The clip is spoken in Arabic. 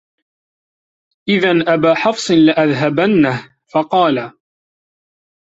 إذًا أَبَا حَفْصٍ لَأَذْهَبَنَّهْ فَقَالَ